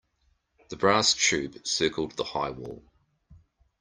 The brass tube circled the high wall.